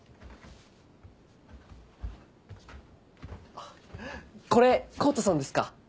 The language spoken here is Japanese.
あっこれ康太さんですか？